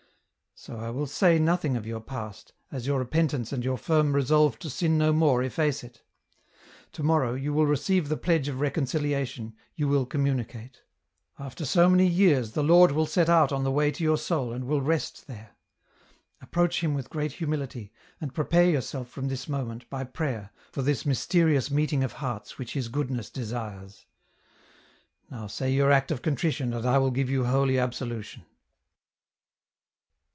" So I will say nothing of your past, as your repentance and your firm resolve to sin no more efface it. To morrow, you will receive the pledge of reconciliation, you will communicate ; after so many years the Lord will set out on the way to your soul and will rest there ; approach EN ROUTE. 195 Him with great humility, and prepare yourself from this moment, by prayer, for this mysterious meeting of hearts which His goodness desires. Now say your act of con trition and I will give you holy absolution."